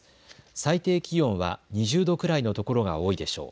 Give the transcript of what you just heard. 最低気温は２０度くらいのところが多いでしょう。